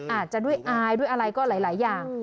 อาจจะด้วยอายด้วยอะไรก็หลายอย่าง